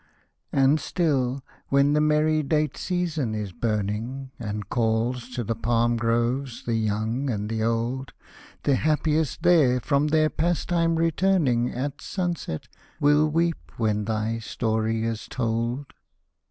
And still, when the merry date season is burning. And calls to the palm groves the young and the old, The happiest there, from their pastime returning At sunset, will weep when thy story is told.